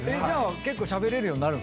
結構しゃべれるようになる？